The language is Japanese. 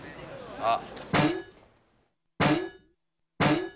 あっ！